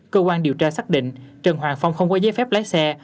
cơ quan điều tra xác định trần hoàng phong không có giấy phép lái xe